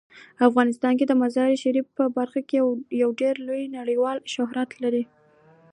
افغانستان د مزارشریف په برخه کې یو ډیر لوړ نړیوال شهرت لري.